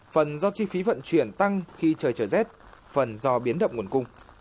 phần do chi phí vận chuyển tăng khi trời trở rét phần do biến động nguồn cung